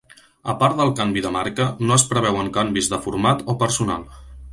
A part del canvi de marca, no es preveuen canvis de format o personal.